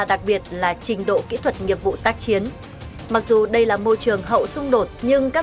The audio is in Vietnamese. đặc biệt là trình độ kỹ thuật nghiệp vụ tác chiến mặc dù đây là môi trường hậu xung đột nhưng các